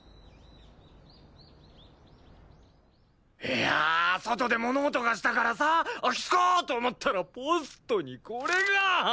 いやあ外で物音がしたからさ「空き巣か？」と思ったらポストにこれが！